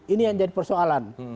ini yang jadi persoalan